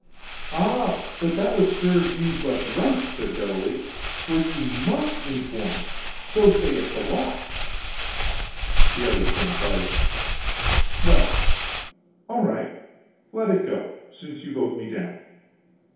"Ah, but that would serve you but right," said Dowley, "for you must inform. So saith the law." The others coincided. "Well, all right, let it go, since you vote me down.